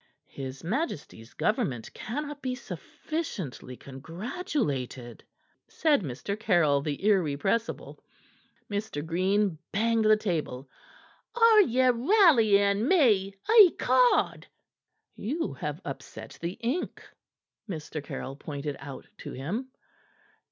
"His Majesty's Government cannot be sufficiently congratulated," said Mr. Caryll, the irrepressible. Mr. Green banged the table. "Are ye rallying me, ecod!" "You have upset the ink," Mr. Caryll pointed out to him.